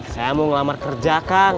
saya mau ngelamar kerja kang